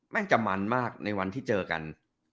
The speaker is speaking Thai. มันจะมันมากในวันที่เจอกัน